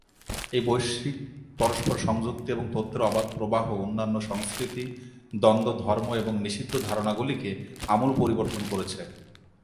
এই নতুন বৈশ্বিক পরস্পর সংযুক্তি এবং তথ্যের অবাধ প্রবাহ অন্যান্য সংস্কৃতি, দ্বন্দ্ব, ধর্ম এবং নিষিদ্ধ ধারণাগুলিকে আমূল পরিবর্তন করেছে।